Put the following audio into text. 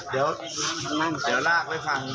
เดี๋ยวลากให้ฟัง